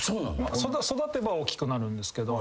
育てば大きくなるんですけど。